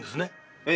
ええ。